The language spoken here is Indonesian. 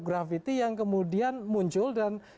grafiti yang kemudian muncul dan